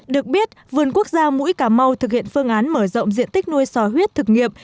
được biết vườn quốc gia mũi cà mau thực hiện phương án mở rộng diện tích nuôi sò huyết thực nghiệp